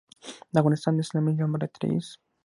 دافغانستان د اسلامي جمهوریت رئیس